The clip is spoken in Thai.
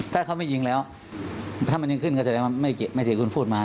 ถ้าเขาไม่ยิงแล้วถ้ามันยิงขึ้นก็จะได้ไม่เกี่ยวไม่เจ๋งคุณพูดมา